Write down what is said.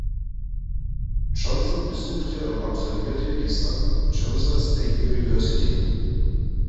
Johnson besuchte und absolvierte die San Josa State University.